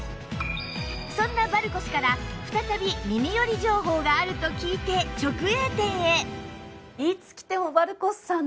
そんなバルコスから再び耳寄り情報があると聞いて直営店へ！